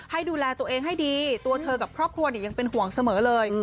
ให้ดูแลตัวเองให้ดีตัวเธอกับครอบครัวยังเป็นห่วงเสมอเลย